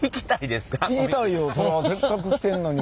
せっかく来てんのに。